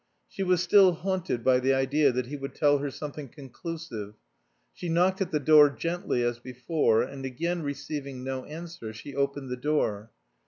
She was still haunted by the idea that he would tell her something conclusive. She knocked at the door gently as before, and again receiving no answer, she opened the door.